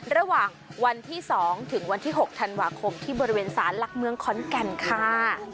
ระหว่างวันที่๒ถึงวันที่๖ธันวาคมที่บริเวณศาลหลักเมืองขอนแก่นค่ะ